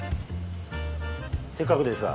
せっかくですが。